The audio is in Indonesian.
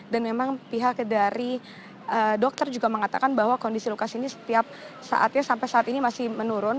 dan memang pihak dari dokter juga mengatakan bahwa kondisi lukas ini setiap saatnya sampai saat ini masih menurun